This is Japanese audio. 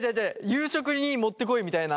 夕食にもってこいみたいな。